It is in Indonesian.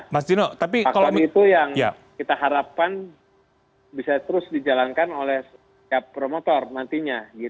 vaksin itu yang kita harapkan bisa terus dijalankan oleh setiap promotor nantinya